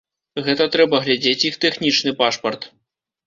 Гэта трэба глядзець іх тэхнічны пашпарт.